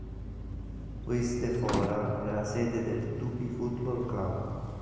Juiz de Fora è la sede del Tupi Football Club.